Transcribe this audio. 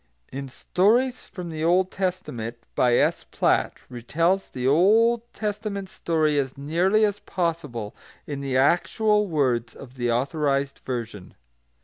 [Footnote 1: Stories from the Old Testament, by S. Platt, retells the Old Testament story as nearly as possible in the actual words of the Authorised Version.